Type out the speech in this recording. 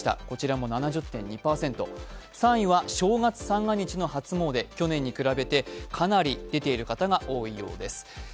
こちらも７０．２％、３位は正月三が日の初詣、去年に比べてかなり出ている方が多いようです。